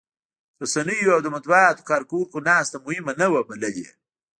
رسنيو او د مطبوعاتو کارکوونکو ناسته مهمه نه وه بللې.